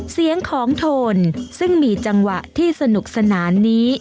เสียงของโทนซึ่งมีจังหวะที่สนุกสนานนี้